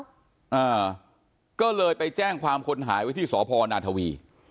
อ่าก็เลยไปแจ้งความคนหายไว้ที่สพนาทวี